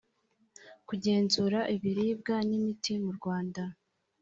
kugenzura ibiribwa n imiti mu Rwanda